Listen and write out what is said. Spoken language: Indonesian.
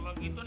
tapi tetap ya